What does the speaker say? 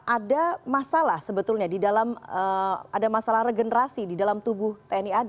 ada masalah sebetulnya di dalam ada masalah regenerasi di dalam tubuh tni ad